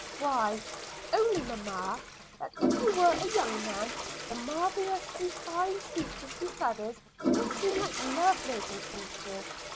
'Why – only, mamma, that if he were a young man, the marvellously fine speeches he studies would seem like love making speeches.